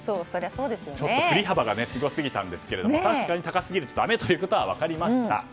ふり幅がすごすぎたんですけども確かに高すぎるとだめということが分かりました。